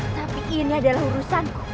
tapi ini adalah urusanku